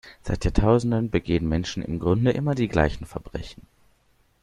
Seit Jahrtausenden begehen Menschen im Grunde immer die gleichen Verbrechen.